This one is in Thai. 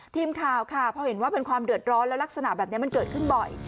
ทีมข่าวค่ะพอเห็นว่าเป็นความเดือดร้อนแล้วลักษณะแบบนี้มันเกิดขึ้นบ่อย